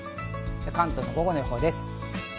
関東の午後の予報です。